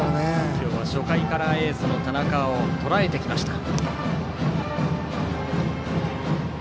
今日は初回からエースの田中をとらえてきました。